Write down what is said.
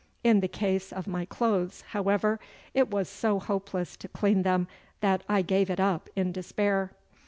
In the case of my clothes, however, it was so hopeless to clean them that I gave it up in despair.